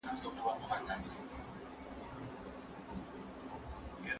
زما ماشومان په ښونځې کې په خپله مورنۍ ژبه زده کړې کوی.